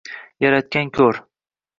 Yaratgan ko’r